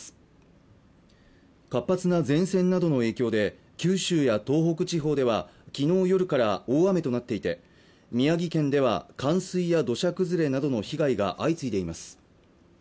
活発な前線などの影響で九州や東北地方では昨日夜から大雨となっていて宮城県では冠水や土砂崩れなどの被害が相次いでいます。